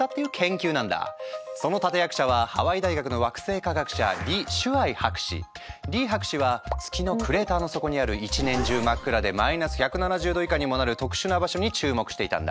その立て役者はハワイ大学の惑星科学者リ博士は月のクレーターの底にある一年中真っ暗でマイナス１７０度以下にもなる特殊な場所に注目していたんだ。